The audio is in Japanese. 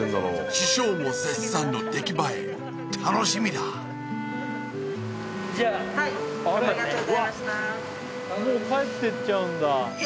師匠も絶賛の出来栄え楽しみだもう帰ってっちゃうんだ。